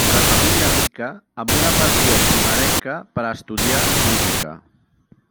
De família rica, amb una passió primerenca per a estudiar música.